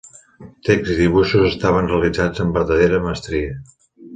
Text i dibuixos estaven realitzats amb verdadera mestria.